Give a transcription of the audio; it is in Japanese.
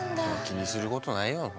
気にすることないよ。